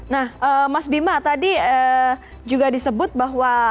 nah mas bima tadi juga disebut bahwa